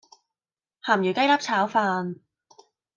鹹魚雞粒炒飯